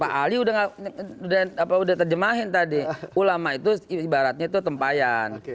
pak ali udah terjemahin tadi ulama itu ibaratnya itu tempayan